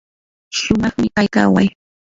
shumaqmi kay kaway.